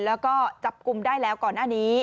แล้วก็จับกลุ่มได้แล้วก่อนหน้านี้